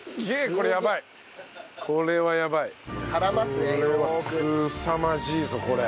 これはすさまじいぞこれ。